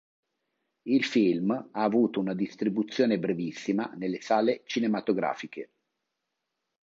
Il film ha avuto una distribuzione brevissima nelle sale cinematografiche.